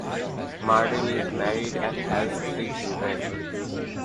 Mardell is married and has three children.